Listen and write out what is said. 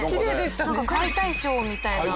なんか解体ショーみたいな。